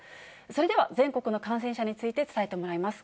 それでは、全国の感染者について伝えてもらいます。